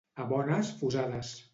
A bones fusades.